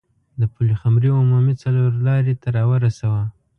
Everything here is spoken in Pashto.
د پلخمري عمومي څلور لارې ته راورسوه.